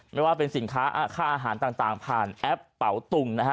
ไม่ว่าเป็นสินค้าค่าอาหารต่างผ่านแอปเป๋าตุงนะฮะ